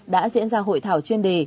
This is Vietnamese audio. đã diễn ra hội thảo chuyên đề